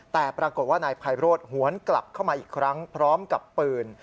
แต่ปรากฏว่านายไพโรธหวนกลับเข้ามาอีกครั้งพร้อมกับปืน